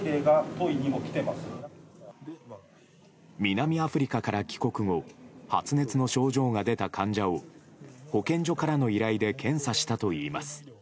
南アフリカから帰国後発熱の症状が出た患者を保健所からの依頼で検査したといいます。